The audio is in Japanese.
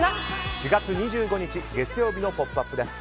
４月２５日、月曜日の「ポップＵＰ！」です。